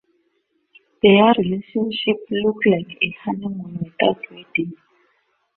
Their relationship looked like a honeymoon without wedding.